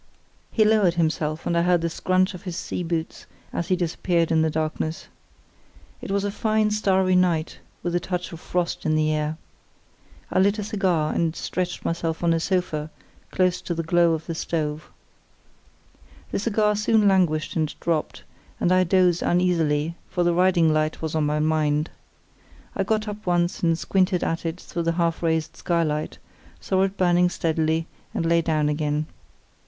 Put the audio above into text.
He lowered himself, and I heard the scrunch of his sea boots as he disappeared in the darkness. It was a fine starry night, with a touch of frost in the air. I lit a cigar, and stretched myself on a sofa close to the glow of the stove. The cigar soon languished and dropped, and I dozed uneasily, for the riding light was on my mind. I got up once and squinted at it through the half raised skylight, saw it burning steadily, and lay down again.